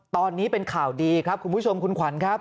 ตอนนี้เป็นข่าวดีครับคุณผู้ชมคุณขวัญครับ